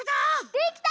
できた！